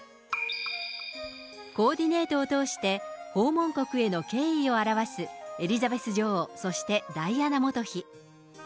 コーディネートを通して、訪問国への敬意を表すエリザベス女王、そしてダイアナ元妃。